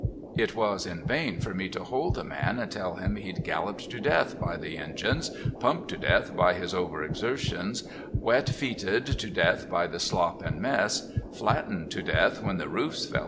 It was in vain for me to hold the man and tell him he'd be galloped to death by the engines — pumped to death by his over exertions — wet feeted to death by the slop and mess — flattened to death when the roofs fell 362 MRS.